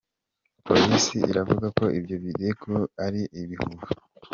Polisi iravuga ko ibyo birego ari ibihuha.